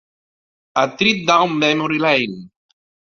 "A Trip Down Memory Lane."